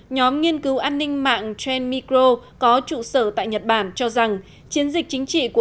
nhóm nghiên cứu an ninh mạng tran micro có trụ sở tại nhật bản cho rằng chiến dịch chính trị của